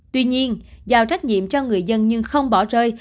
tuy nhiên giao trách nhiệm cho người dân nhưng không bỏ rơi